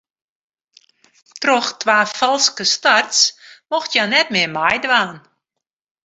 Troch twa falske starts mocht hja net mear meidwaan.